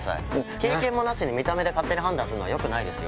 経験もなしで見た目で勝手に判断するのはよくないですよ。